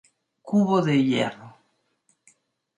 Cubo de hierro.